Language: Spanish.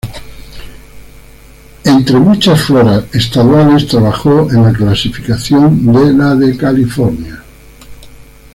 Entre muchas floras estaduales trabajó en la clasificación de la de California.